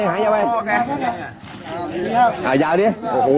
อยากเยาว์นี้